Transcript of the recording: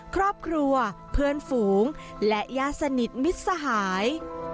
ครอบครัวเพื่อนฝูงและญาติสนิทมิตรสหาย